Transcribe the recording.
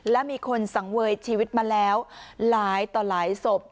และมีคนสังเวยชีวิตมาแล้วหลายต่อหลายศพ